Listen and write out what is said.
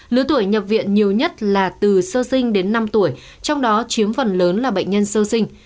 lứa tuổi nhập viện nhiều nhất là từ sơ sinh đến năm tuổi trong đó chiếm phần lớn là bệnh nhân sơ sinh